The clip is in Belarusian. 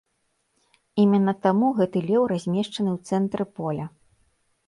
Іменна таму гэты леў размешчаны ў цэнтры поля.